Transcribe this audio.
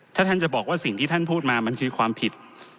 ถ้าท่านจะบอกว่าสิ่งที่ท่านพูดมามันคือความผิด